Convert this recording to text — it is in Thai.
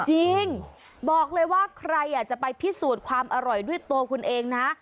จริงบอกเลยว่าใครอยากจะไปพิสูจน์ความอร่อยด้วยตัวคุณเองนะ